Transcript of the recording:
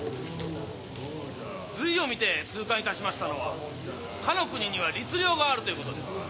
「隋を見て痛感いたしましたのはかの国には律令があるということです。